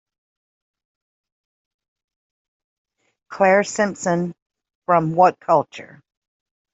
Clare Simpson from WhatCulture!